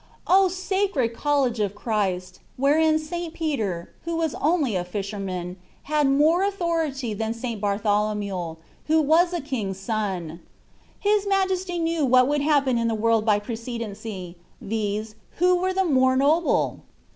1 sacred College of Chtist, wherein St. Peter, who was only a fisherman, had more authority than St. Bartholomew, who was a king's son.* His Majesty knew what would happen in the world about precedency, viz., who was the more noble